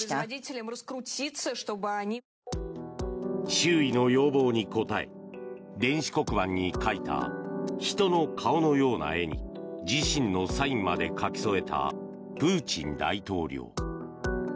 周囲の要望に応え電子黒板に描いた人の顔のような絵に自身のサインまで書き添えたプーチン大統領。